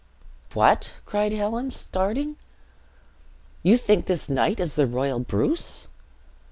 "What!" cried Helen, starting, "you think this knight is the royal Bruce?"